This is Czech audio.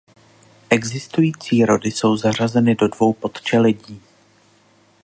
Existující rody jsou zařazeny do dvou podčeledí.